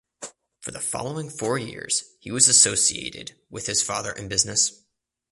For the following four years he was associated with his father in business.